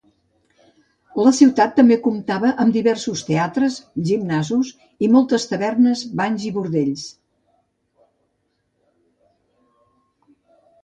La ciutat també comptava amb diversos teatres, gimnasos i moltes tavernes, banys i bordells.